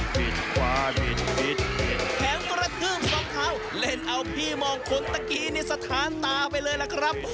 แผนกระทืมสองเท้าเล่นเอาพี่มองคนตะกี้ในสถานตาไปเลยล่ะครับ